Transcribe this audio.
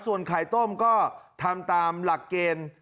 ส่วนไข่ต้มก็ทำตามหลักเกณฑ์